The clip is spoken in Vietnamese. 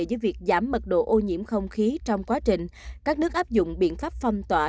với việc giảm mật độ ô nhiễm không khí trong quá trình các nước áp dụng biện pháp phong tỏa